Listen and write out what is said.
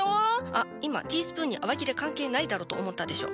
あっ今ティースプーンに洗剤いらねえだろと思ったでしょ。